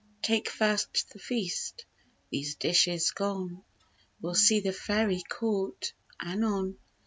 TAKE FIRST THE FEAST; THESE DISHES GONE, WE'LL SEE THE FAIRY COURT ANON.